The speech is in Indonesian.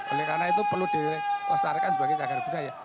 oleh karena itu perlu dilestarikan sebagai cagar budaya